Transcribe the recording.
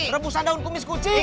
rebusan daun kumis kucing